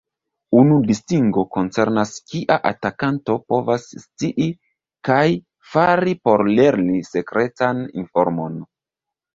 Unu distingo koncernas kia atakanto povas scii kaj fari por lerni sekretan informon.